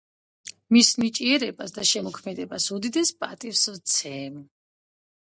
მის ნიჭიერებასა და შემოქმედებას უდიდეს პატივს ვცემ.